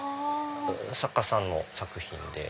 作家さんの作品で。